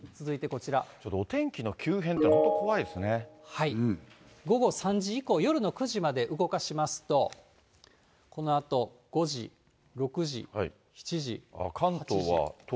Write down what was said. お天気の急変っていうのは本午後３時以降、夜の９時まで動かしますと、このあと５時、６時、７時。